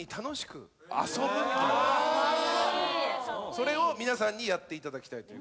それを皆さんにやっていただきたいと。